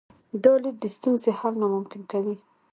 دا لید د ستونزې حل ناممکن کوي.